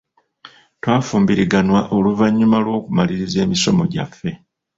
Twafumbiriganwa oluvannyuma lw'okumaliriza emisomo gyaffe.